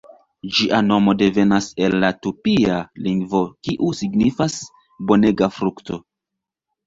Ĝia nomo devenas el la tupia lingvo kiu signifas "bonega frukto".